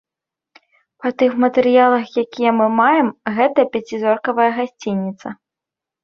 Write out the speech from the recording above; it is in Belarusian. Па тых матэрыялах, якія мы маем, гэта пяцізоркавая гасцініца.